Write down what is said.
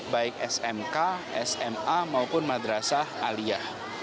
baik smk sma maupun madrasah aliyah